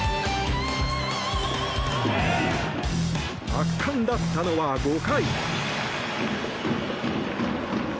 圧巻だったのは５回。